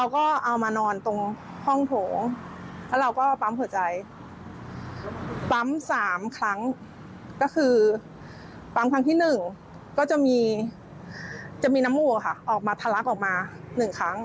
ก็คือครั้งที่๑ก็จะมีนมูกออกมาทะลักออกมา๑ครั้ง